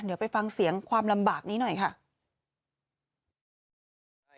เดี๋ยวไปฟังเสียงความลำบากนี้หน่อยค่ะ